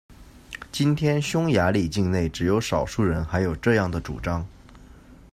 今天匈牙利境内只有少数人还有这样的主张。